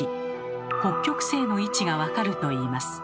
北極星の位置がわかるといいます。